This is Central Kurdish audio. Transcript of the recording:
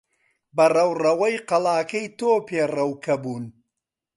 بە ڕەوڕەوەی قەڵاکەی تۆ پێڕەوکە بوون.